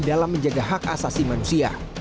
dalam menjaga hak asasi manusia